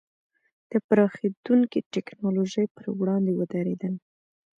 د پراخېدونکې ټکنالوژۍ پر وړاندې ودرېدل.